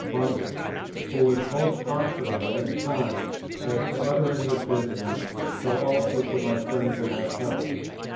Bunsen, who was most hospitable and kind, as to other English visitors, so also to my friends and myself.